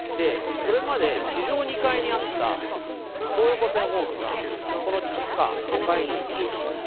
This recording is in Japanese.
それまで地上２階にあった東横線ホームが地下５階に移動します。